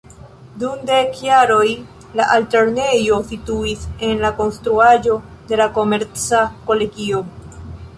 Dum dek jaroj la altlernejo situis en la konstruaĵo de la Komerca Kolegio.